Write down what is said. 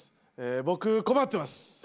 僕困ってます。